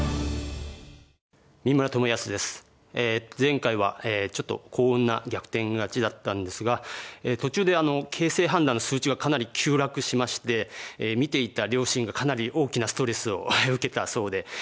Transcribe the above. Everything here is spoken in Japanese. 前回はちょっと幸運な逆転勝ちだったんですが途中で形勢判断の数値がかなり急落しまして見ていた両親がかなり大きなストレスを受けたそうで。